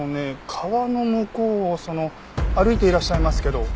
川の向こうをその歩いていらっしゃいますけど。